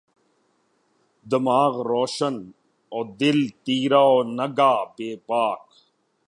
دماغ روشن و دل تیرہ و نگہ بیباک